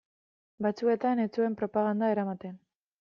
Batzuetan ez zuen propaganda eramaten.